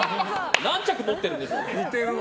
何着持ってるんでしょうか。